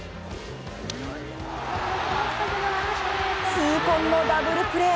痛恨のダブルプレー！